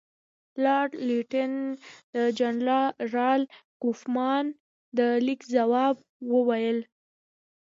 لارډ لیټن د جنرال کوفمان د لیک په ځواب کې وویل.